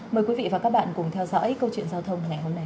mời quý vị và các bạn cùng theo dõi câu chuyện giao thông ngày hôm nay